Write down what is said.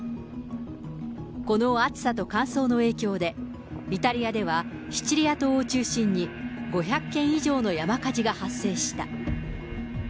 この暑さと乾燥の影響で、イタリアではシチリア島を中心に、５００件以上の山火事が発生した。